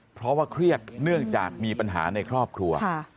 เพราะว่าเครียดเนื่องจากมีปัญหาในครอบครัว